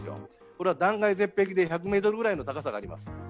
これは断崖絶壁で１００ｍぐらいの高さがあります。